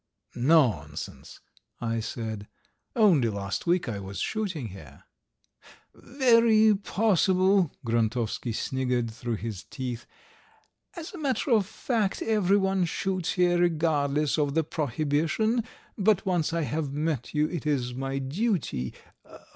"Nonsense!" I said. "Only last week I was shooting here!" "Very possible!" Grontovsky sniggered through his teeth. "As a matter of fact everyone shoots here regardless of the prohibition. But once I have met you, it is my duty